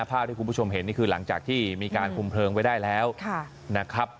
ภาพที่คุณผู้ชมเห็นนี่คือหลังจากที่มีการคุมเพลิงไว้ได้แล้วนะครับ